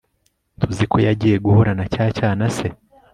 ntuzi ko yagiye guhura na cya cyana se